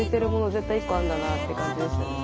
絶対１個あんだなって感じでしたね。